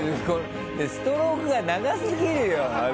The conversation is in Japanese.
ストロークが長すぎるよ！